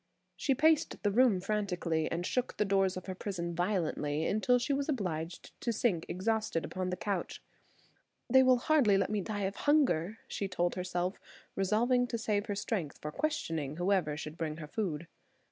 She paced the room frantically, and shook the doors of her prison violently until she was obliged to sink exhausted upon the couch. "They will hardly let me die of hunger," she told herself, resolving to save her strength for questioning whoever should bring her food.